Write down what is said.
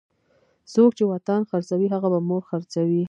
څوک چې وطن خرڅوي هغه به مور خرڅوي.